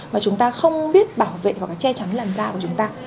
mà chúng ta không biết bảo vệ hoặc là che trắng lần da của chúng ta